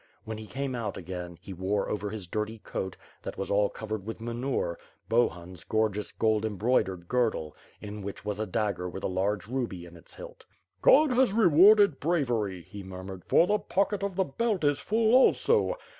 When he came out again, he wore over his dirty coat, that was all covered with manure, Bohun's gorgeous, gold embroidered girdle, in which was a dagger with a large ruby in its hilt. "Qod has rewarded bravery," he murmured, "for the pocket o± the belt is full also.